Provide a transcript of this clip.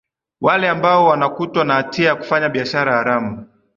wale ambao wanakutwa na hatia ya kufanya biashara haramu